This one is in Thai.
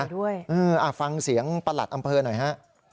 หลุมใหญ่ด้วยอ่าฟังเสียงประหลัดอำเพลินหน่อยฮะ